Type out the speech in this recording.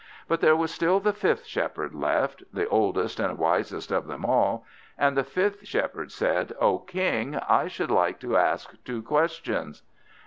But there was still the fifth Shepherd left, the oldest and wisest of them all; and the fifth Shepherd said "O King, I should like to ask two questions."